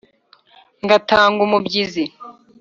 ngatanga umubyizi.